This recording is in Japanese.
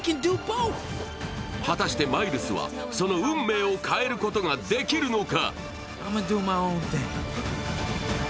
果たしてマイルズはその運命を変えることができるのか。